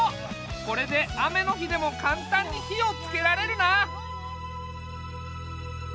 これで雨の日でもかんたんに火をつけられるな！